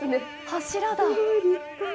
柱だ。